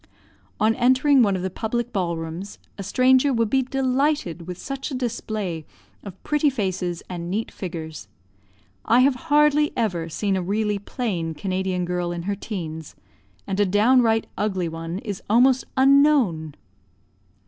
On entering one of the public ball rooms, a stranger would be delighted with such a display of pretty faces and neat figures. I have hardly ever seen a really plain Canadian girl in her teens; and a downright ugly one is almost unknown.